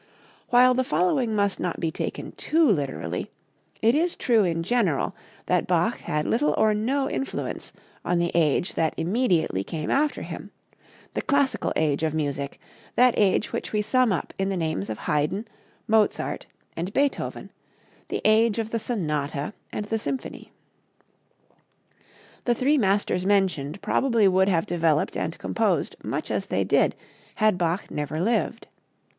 While the following must not be taken too literally, it is true in general that Bach had little or no influence on the age that immediately came after him, the classical age of music, that age which we sum up in the names of Haydn, Mozart and Beethoven, the age of the sonata and the symphony. The three masters mentioned probably would have developed and composed much as they did had Bach never lived.